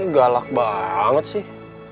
galak banget sih